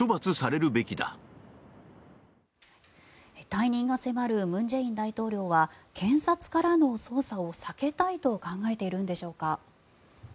退任が迫る文在寅大統領は検察からの捜査を避けたいと考えているんでしょうか。